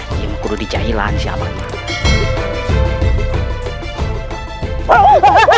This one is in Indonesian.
mereka harus dijahilan siapa itu